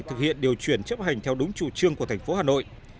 thực hiện điều chuyển chấp hành theo đúng chủ trương của thành phố hà nội